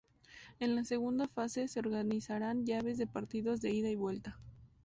En la segunda fase, se organizarán llaves de partidos de ida y vuelta.